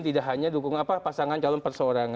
tidak hanya dukung apa pasangan calon persoarangan